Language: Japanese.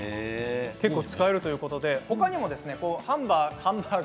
結構、使えるということで他にもハンバーグ。